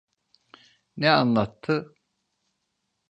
Ne anlattı?